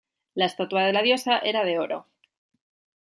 La estatua de la diosa era de oro.